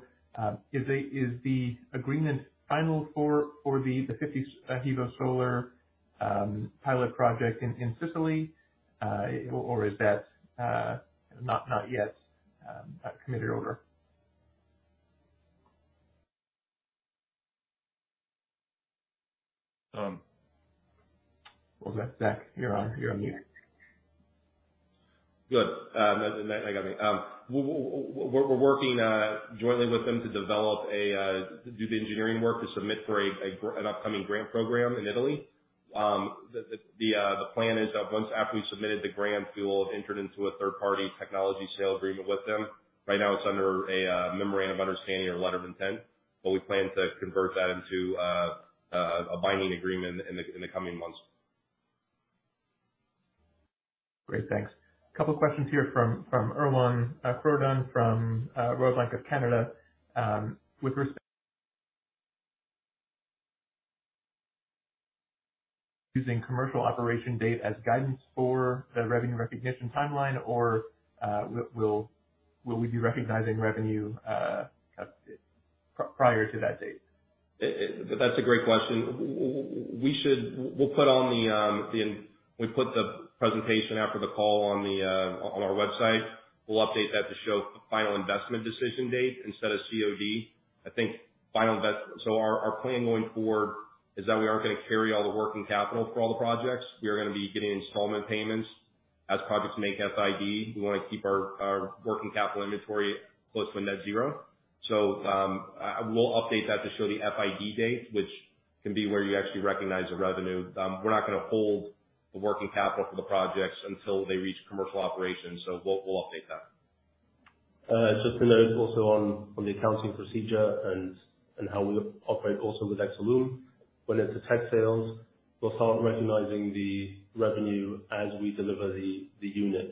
is the agreement final for the 50 HEVO-Solar pilot project in Sicily, or is that not yet committed or? Um. Well, Zach, you're on mute. Good. Yeah. We're working jointly with them to develop a do the engineering work to submit for an upcoming grant program in Italy. The plan is that once after we've submitted the grant, we will enter into a third party technology sale agreement with them. Right now it's under a memorandum understanding or letter of intent, but we plan to convert that into a binding agreement in the coming months. Great. Thanks. Couple questions here from Erwan Kerourédan from Royal Bank of Canada. With respect using commercial operation date as guidance for the revenue recognition timeline or, will we be recognizing revenue kind of prior to that date? That's a great question. We'll put the presentation after the call on our website. We'll update that to show final investment decision date instead of COD. Our, our plan going forward is that we aren't gonna carry all the working capital for all the projects. We are gonna be getting installment payments as projects make FID. We wanna keep our working capital inventory close to a net zero. We'll update that to show the FID date, which can be where you actually recognize the revenue. We're not gonna hold the working capital for the projects until they reach commercial operations. We'll, we'll update that. Just to note also on the accounting procedure and how we operate also with Exolum. When it's a tech sales, we'll start recognizing the revenue as we deliver the unit.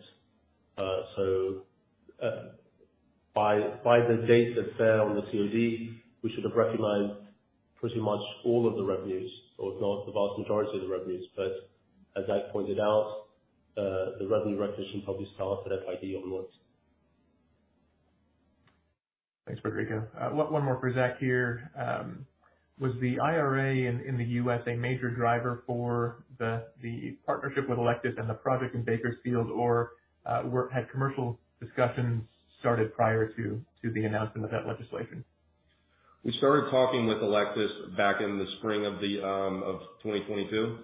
So, by the dates that are fair on the COD, we should have recognized pretty much all of the revenues or if not the vast majority of the revenues. As Zach pointed out, the revenue recognition probably starts at FID onwards. Thanks, Federico. One more for Zach here. Was the IRA in the U.S. a major driver for the partnership with Electus and the project in Bakersfield? Or had commercial discussions started prior to the announcement of that legislation? We started talking with Electus back in the spring of 2022.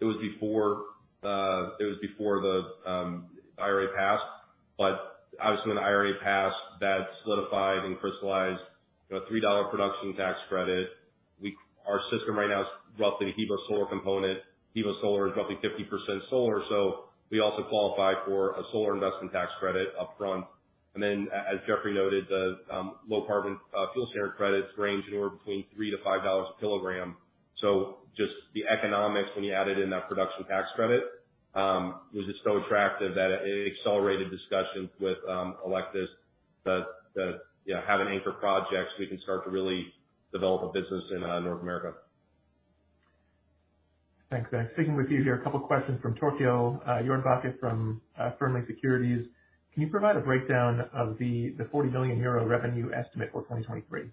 It was before the IRA passed. Obviously when the IRA passed, that solidified and crystallized, you know, $3 production tax credit. Our system right now is roughly HEVO-Solar component. HEVO-Solar is roughly 50% solar, so we also qualify for a solar investment tax credit up front. As Jeffrey noted, the Low Carbon Fuel Standard credits range anywhere between $3-$5 a kilogram. Just the economics, when you added in that production tax credit, was just so attractive that it accelerated discussions with Electus that, you know, have an anchor project so we can start to really develop a business in North America. Thanks, Zach. Sticking with you here, a couple questions from Torkell Jordan Holm from Fearnley Securities. Can you provide a breakdown of the 40 million euro revenue estimate for 2023?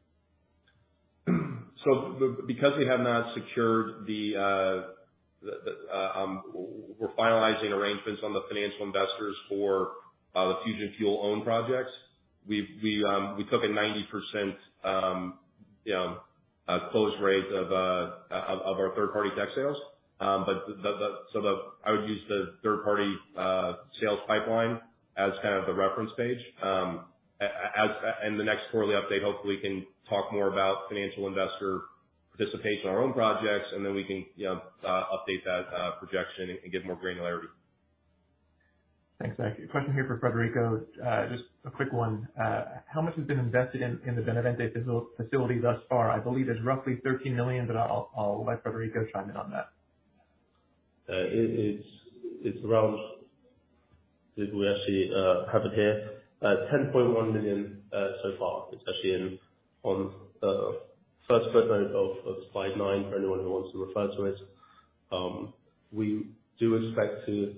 Because we have not secured the, we're finalizing arrangements on the financial investors for the Fusion Fuel owned projects. We took a 90%, you know, close rate of our third party tech sales. I would use the third party sales pipeline as kind of the reference page. And the next quarterly update, hopefully we can talk more about financial investor participation on our own projects, and then we can, you know, update that projection and give more granularity. Thanks, Zach. A question here for Federico. Just a quick one. How much has been invested in the Benavente facility thus far? I believe there's roughly 13 million, but I'll let Federico chime in on that. Did we actually have it here? 10.1 million so far. It's actually in on first footnote of slide 9 for anyone who wants to refer to it. We do expect to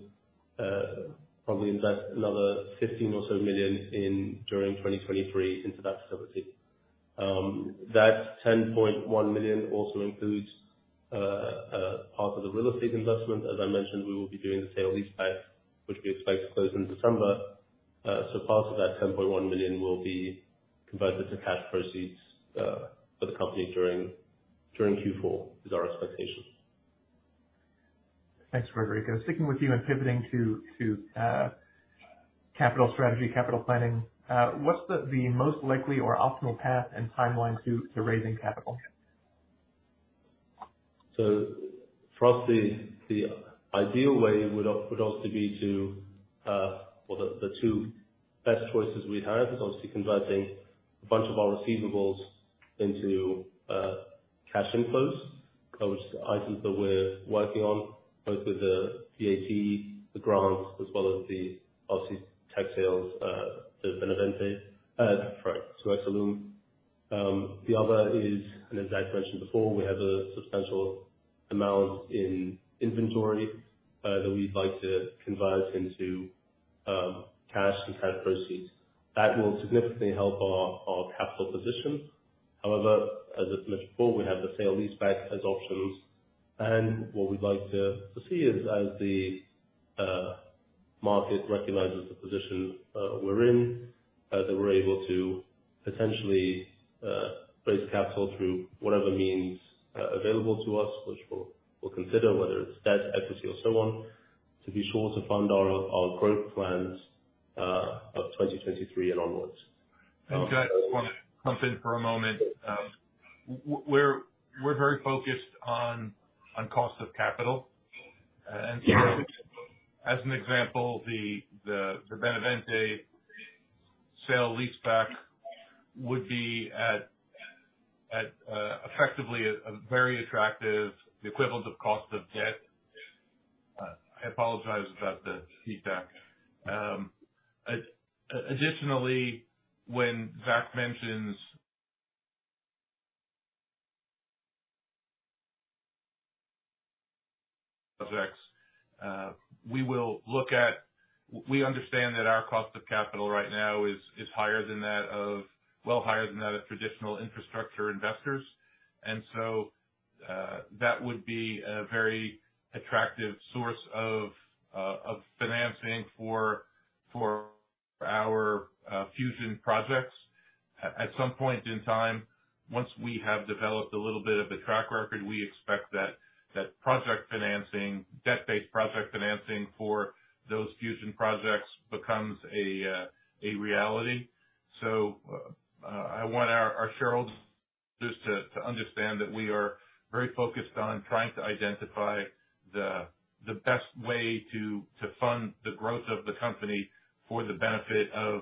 probably invest another 15 or so million in during 2023 into that facility. That 10.1 million also includes part of the real estate investment. As I mentioned, we will be doing the sale leaseback, which we expect to close in December. Part of that 10.1 million will be converted to cash proceeds for the company during Q4, is our expectation. Thanks, Federico. Sticking with you and pivoting to capital strategy, capital planning. What's the most likely or optimal path and timeline to raising capital? For us, the ideal way would obviously be to, or the two best choices we have is obviously converting a bunch of our receivables into cash inflows, which is the items that we're working on, both with the VAT, the grants, as well as the RC tech sales, to Benavente, sorry, to Exolum. The other is, and as Zach mentioned before, we have a substantial amount in inventory that we'd like to convert into cash and kind of proceeds. That will significantly help our capital position. However, as I mentioned before, we have the sale-leaseback as options. What we'd like to see is as the market recognizes the position we're in, that we're able to potentially raise capital through whatever means available to us, which we'll consider whether it's debt, equity or so on, to be sure to fund our growth plans of 2023 and onwards. Zach, I just want to jump in for a moment. We're very focused on cost of capital. As an example, the Benavente sale leaseback would be at, effectively a very attractive equivalent of cost of debt. I apologize about the feedback. Additionally, when Zach mentions... subjects, we will look at... We understand that our cost of capital right now is higher than that of, well, higher than that of traditional infrastructure investors. That would be a very attractive source of financing for our fusion projects. At some point in time, once we have developed a little bit of a track record, we expect that that project financing, debt-based project financing for those fusion projects becomes a reality. I want our shareholders to understand that we are very focused on trying to identify the best way to fund the growth of the company for the benefit of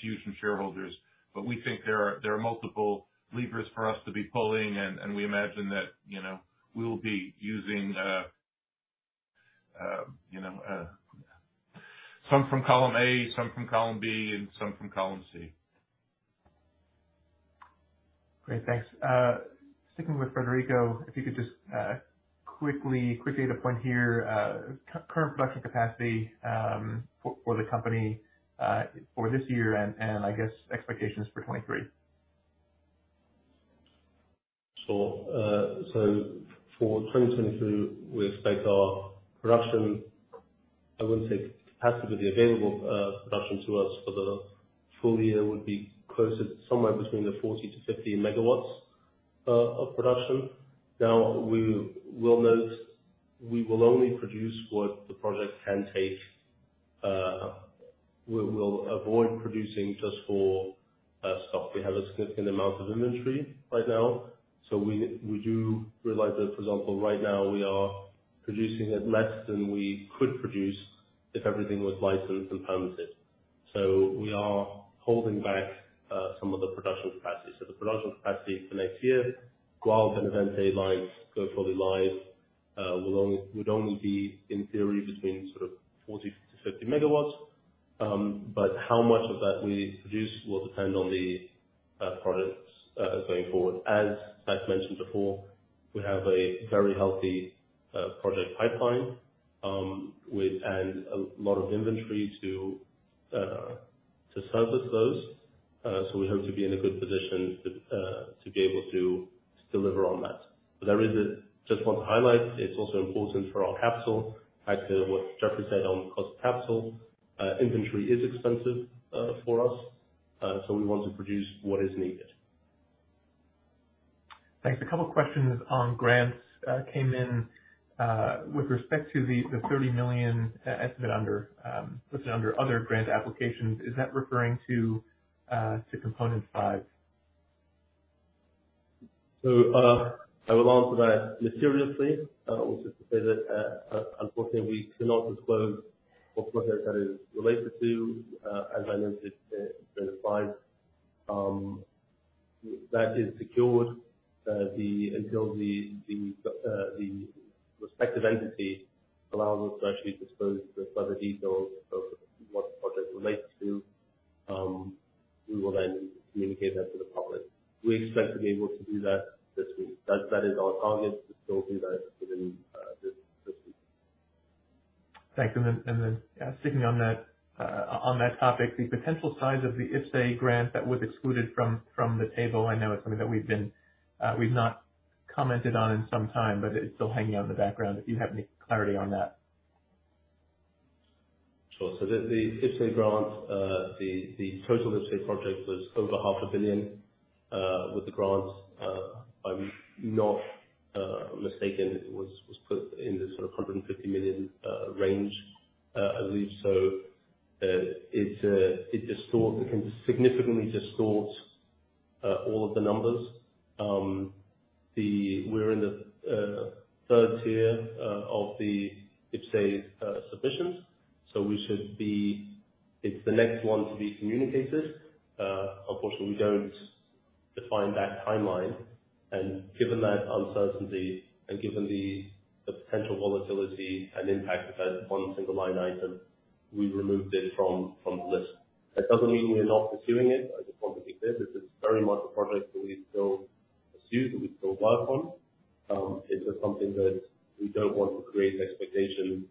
Fusion Fuel shareholders. We think there are multiple levers for us to be pulling and we imagine that, you know, we will be using, you know, some from column A, some from column B, and some from column C. Great. Thanks. Sticking with Federico, if you could just quickly to point here, current production capacity for the company for this year and I guess expectations for 2023. Sure. So for 2022, we expect our production, I wouldn't say capacity, but the available production to us for the full year would be closer to somewhere between the 40 to 50 megawatts of production. We will note we will only produce what the project can take. We, we'll avoid producing just for stock. We have a significant amount of inventory right now, we do realize that, for example, right now we are producing at less than we could produce if everything was licensed and permitted. We are holding back some of the production capacity. The production capacity for next year, go out Benavente lines go fully live, would only be in theory between sort of 40 to 50 megawatts. How much of that we produce will depend on the projects going forward. As Zach mentioned before, we have a very healthy project pipeline, and a lot of inventory to service those. We hope to be in a good position to be able to deliver on that. I really just want to highlight it's also important for our capital. Back to what Jeffrey said on cost of capital, inventory is expensive for us, so we want to produce what is needed. Thanks. A couple questions on grants came in with respect to the 30 million estimate under listed under other grant applications. Is that referring to Component 5? I will answer that mysteriously, which is to say that, unfortunately we cannot disclose what project that is related to. As I mentioned in the slides, that is secured. The, until the respective entity allows us to actually disclose the further details of what the project relates to, we will then communicate that to the public. We expect to be able to do that this week. That is our target to still do that within this week. Thanks. Sticking on that topic, the potential size of the IPCEI grant that was excluded from the table. I know it's something that we've been, we've not commented on in some time, but it's still hanging out in the background, if you have any clarity on that? Sure. The IPCEI grant, the total IPCEI project was over EUR half a billion. With the grant, if I'm not mistaken, it was put in the sort of 150 million range, I believe. It distorts, it can significantly distort all of the numbers. We're in the third tier of the IPCEI submissions. It's the next one to be communicated. Unfortunately, we don't define that timeline. Given that uncertainty and given the potential volatility and impact of that one single line item, we removed it from the list. That doesn't mean we're not pursuing it. I just want to be clear, this is very much a project that we still pursue, that we still work on. It's just something that we don't want to create an expectation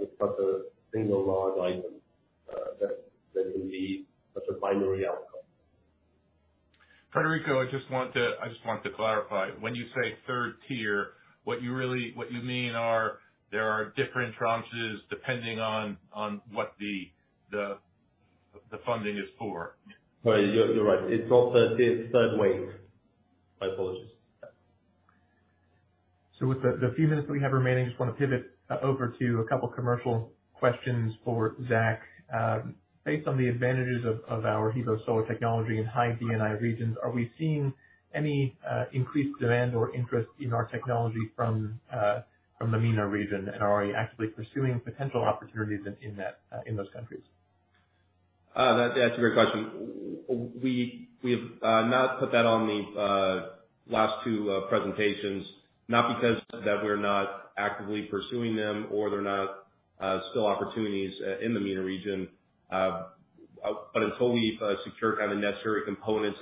with such a single large item that can be such a binary outcome. Federico, I just want to clarify. When you say third tier, what you really mean are there are different tranches depending on what the funding is for. Right. You're right. It's not third tier, it's third wave. My apologies. With the few minutes we have remaining, just wanna pivot over to a couple commercial questions for Zach. Based on the advantages of our HEVO-Solar technology in high DNI regions, are we seeing any increased demand or interest in our technology from the MENA region? Are we actively pursuing potential opportunities in that, in those countries? That's a great question. We've not put that on the last two presentations, not because that we're not actively pursuing them or they're not still opportunities in the MENA region, but until we've secured kind of the necessary components,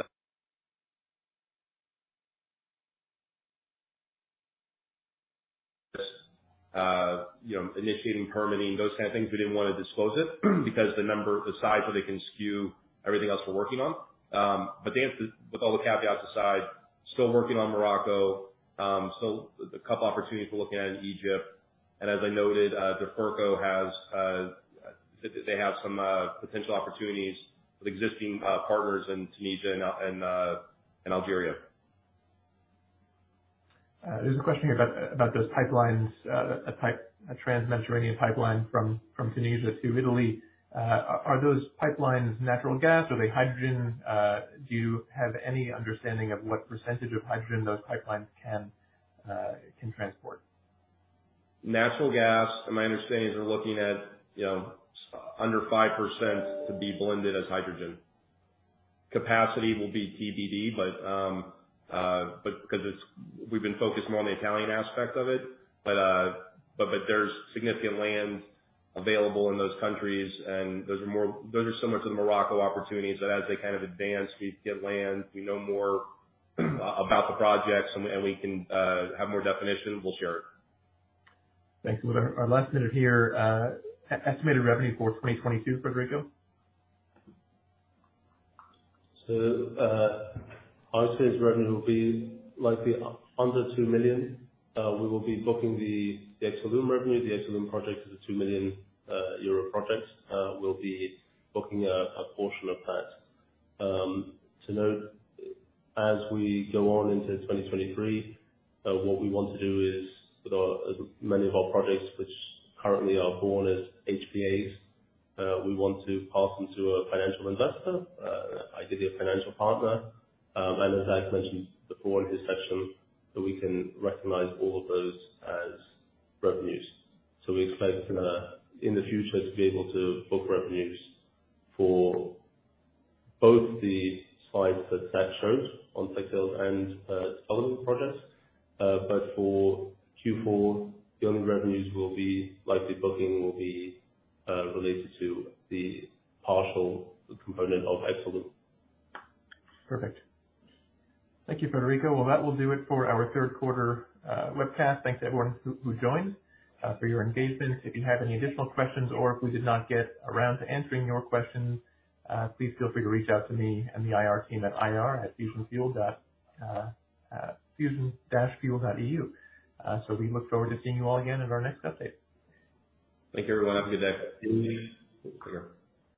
you know, initiating permitting, those kind of things, we didn't wanna disclose it because the number, the size of it can skew everything else we're working on. The answer, with all the caveats aside, still working on Morocco. Still a couple opportunities we're looking at in Egypt. As I noted, Duferco has they have some potential opportunities with existing partners in Tunisia and in Algeria. There's a question here about those pipelines, a trans-Mediterranean pipeline from Tunisia to Italy. Are those pipelines natural gas? Are they hydrogen? Do you have any understanding of what percentage of hydrogen those pipelines can transport? Natural gas. My understanding is they're looking at, you know, under 5% to be blended as hydrogen. Capacity will be TBD, but because we've been focused more on the Italian aspect of it, but there's significant land available in those countries, and those are more, those are similar to the Morocco opportunities that as they kind of advance, we get land, we know more about the projects and we can have more definition, we'll share it. Thanks. With our last minute here, estimated revenue for 2022, Federico. I would say its revenue will be likely under 2 million. We will be booking the Exolum revenue. The Exolum project is a 2 million euro project. We'll be booking a portion of that. To note, as we go on into 2023, what we want to do is with our many of our projects, which currently are born as HBAs, we want to pass them to a financial investor, ideally a financial partner, and as Zach mentioned before in his section, so we can recognize all of those as revenues. We expect in the future to be able to book revenues for both the slides that Zach showed on Tech Sales and Exolum projects. For Q4, the only revenues will be, likely booking will be, related to the partial component of Exolum. Perfect. Thank you, Federico. Well, that will do it for our third quarter webcast. Thanks to everyone who joined for your engagement. If you have any additional questions or if we did not get around to answering your questions, please feel free to reach out to me and the IR team at ir@fusion-fuel.eu. We look forward to seeing you all again in our next update. Thank you, everyone. Have a good day. Thank you. Take care.